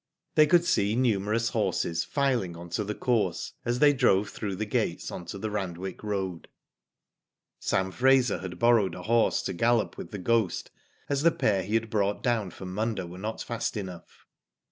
They could see numerous horses filing on to the course, as they drove through the gates on to the Rand wick Road. Sam Fraser had borrowed a horse to gallop P 2 Digitized byGoogk 212 WHO DID ITt with The Ghost, as the pair he had brought down from Munda were not fast enough.